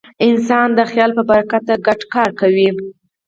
انسان د خیال په برکت ګډ کار کوي.